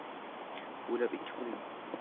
bo’yab ikki qo’ling